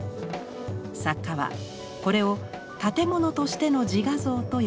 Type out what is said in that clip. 作家はこれを「建物としての自画像」と呼びます。